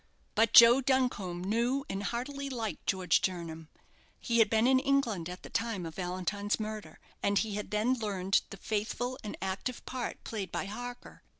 But Joe Duncombe knew and heartily liked George Jernam. He had been in England at the time of Valentine's murder, and he had then learned the faithful and active part played by Harker.